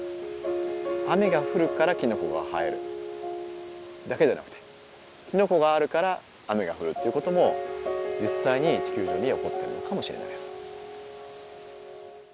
「雨が降るからきのこが生える」だけじゃなくて「きのこがあるから雨が降る」っていうことも実際に地球上に起こってるのかもしれないです。